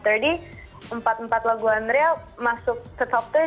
empat empat lagu andrea masuk ke top tiga puluh